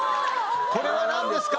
これはなんですか？